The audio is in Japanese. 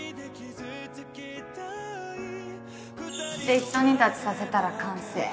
でひと煮立ちさせたら完成。